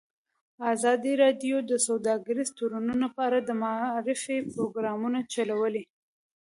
ازادي راډیو د سوداګریز تړونونه په اړه د معارفې پروګرامونه چلولي.